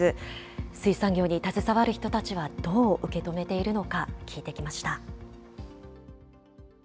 水産業に携わる人たちはどう受け止めているのか、聞いてきました。